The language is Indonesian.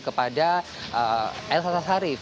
kepada elsa sharif